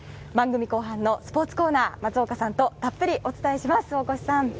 番組後半のスポーツコーナー松岡さんとたっぷりお伝えします、大越さん。